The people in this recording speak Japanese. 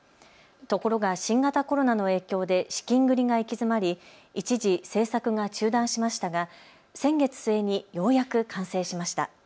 ところが新型コロナの影響で資金繰りが行き詰まり一時、製作が中断しましたが先月末にようやく完成しました。